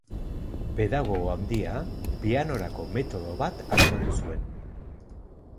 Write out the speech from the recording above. Pedagogo handia, pianorako metodo bat asmatu zuen.